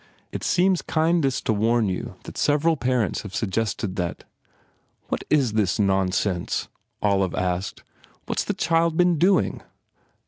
It seems kindest to warn you that several parents have suggested that " 1 02 PENALTIES "What is this nonsense?" Olive asked, "What s the child been doing?"